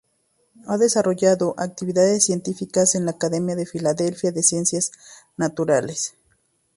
Ha desarrollado actividades científicas en la Academia de Filadelfia de Ciencias Naturales.